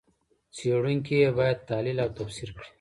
څېړونکي یې باید تحلیل او تفسیر کړي.